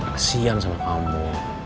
kesian sama kamu